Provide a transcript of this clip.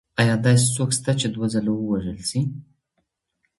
ایا داسې څوک سته چي دوه ځله ووژل سي؟